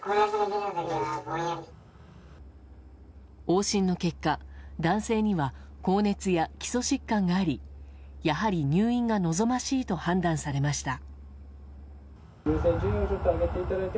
往診の結果、男性には高熱や基礎疾患がありやはり、入院が望ましいと判断されました。